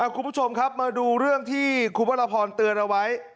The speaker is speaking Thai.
คุณผู้ชมครับมาดูเรื่องที่คุณวรพรเตือนเอาไว้